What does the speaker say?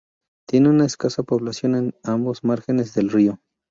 Tiene una escasa población en ambos márgenes del río.